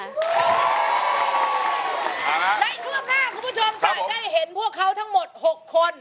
และช่วงหน้าคุณผู้ชมจะได้เห็นพวกเขาทั้งหมด๖คน